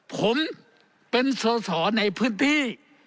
ผมเป็นสอสอในพื้นที่